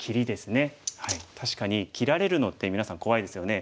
確かに切られるのってみなさん怖いですよね。